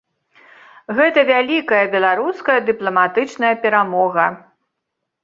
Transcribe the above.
Гэта вялікая беларуская дыпламатычная перамога.